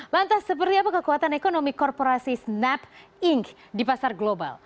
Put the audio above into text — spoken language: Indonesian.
lantas seperti apa kekuatan ekonomi korporasi snap inc di pasar global